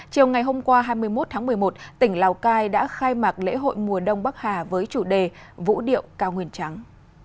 chiều ngày hôm qua hai mươi một tháng một mươi một tỉnh lào cai đã khai mạc lễ hội mùa đông bắc hà với chủ đề vũ điệu cao nguyên trắng